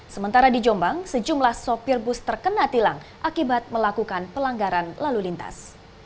sementara di jombang sejumlah sopir bus terkena tilang akibat melakukan pelanggaran lalu lintas